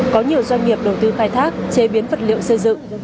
có nhiều doanh nghiệp đầu tư khai thác chế biến vật liệu xây dựng